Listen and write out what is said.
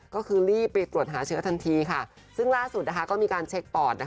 ก็คือรีบไปตรวจหาเชื้อทันทีค่ะซึ่งล่าสุดก็มีการเช็คปอด